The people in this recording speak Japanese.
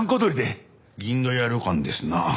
銀河屋旅館ですな。